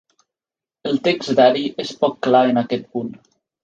El text d'Ari és poc clar en aquest punt.